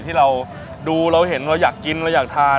ที่เราดูเราเห็นเราอยากกินเราอยากทาน